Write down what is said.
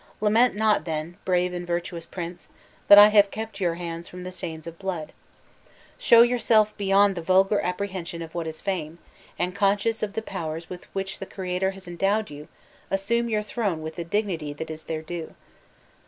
Lament not, then, brave and virtuous prince, that I have kept your hands from the stains of blood. Show yourself beyond the vulgar apprehension of what is fame; and, conscious of the powers with which the Creator has endowed you, assume your throne with the dignity that is their due.